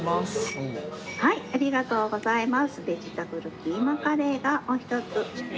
本日はご来店ありがとうございます。